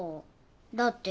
だって。